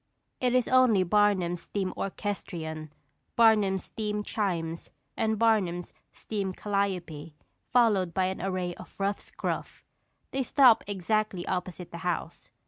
It is only Barnum's steam orchestrion, Barnum's steam chimes, and Barnum's steam calliope, followed by an array of ruff scruff. They stop exactly opposite the house.